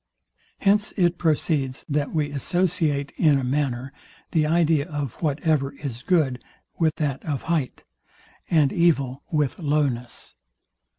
Hence it proceeds, that we associate, in a manner, the idea of whatever is good with that of height, and evil with lowness.